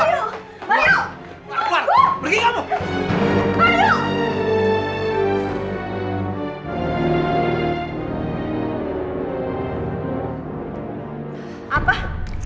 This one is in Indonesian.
keluar pergi kamu